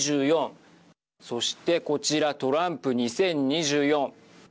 そしてこちらトランプ２０２４。